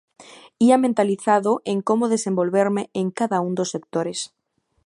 Ía mentalizado en como desenvolverme en cada un dos sectores.